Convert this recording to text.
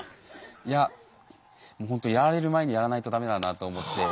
いやほんとやられる前にやらないと駄目だなと思って。